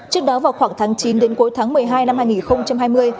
trước đó vào khoảng tháng chín đến cuối tháng một mươi hai năm hai nghìn hai mươi